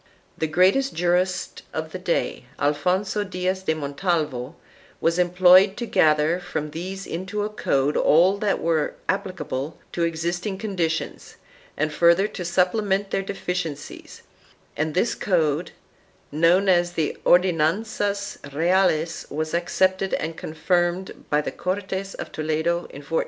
The greatest jurist of the day, Alfonso Diaz de Montalvo, was employed to gather from these into a code all that were applicable to ex isting conditions and further to supplement their deficiencies, and this code, known as the Ordenanzas Reales, was accepted and confirmed by the Cortes of Toledo in 1480.